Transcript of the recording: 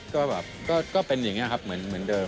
ก็แบบก็เป็นอย่างนี้ครับเหมือนเดิม